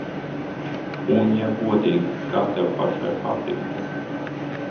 Un, ja godīgi, kā tev pašai patika?